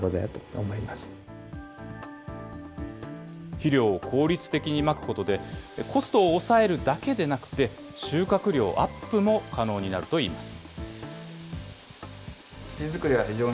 肥料を効率的にまくことで、コストを抑えるだけでなくて、収穫量アップも可能になるといいます。